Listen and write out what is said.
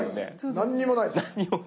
何にもないです。